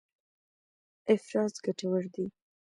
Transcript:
افراز ګټور دی.